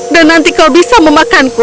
dan nanti kau bisa memakanku